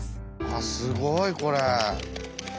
すごいこれ。